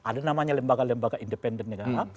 ada namanya lembaga lembaga independen negara